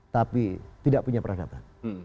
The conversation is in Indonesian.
tapi tidak punya peradaban